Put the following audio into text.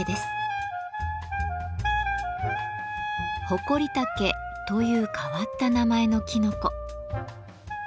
ホコリタケという変わった名前のきのこ。